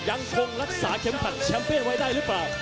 ยังคงรักษาเข็มขัดแชมป์เปียนไว้ได้หรือเปล่า